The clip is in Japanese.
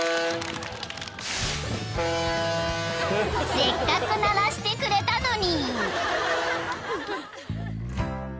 ［せっかく鳴らしてくれたのに］